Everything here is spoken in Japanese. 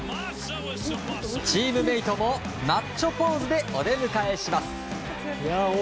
チームメートもマッチョポーズでお出迎えします。